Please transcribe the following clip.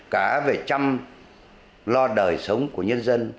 cả về chăm lo đời sống của nhân dân